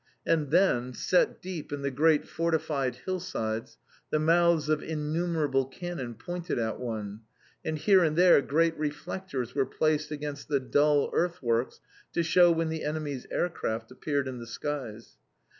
And then, set deep in the great fortified hillsides, the mouths of innumerable cannon pointed at one; and here and there great reflectors were placed against the dull earth works to shew when the enemy's aircraft appeared in the skies.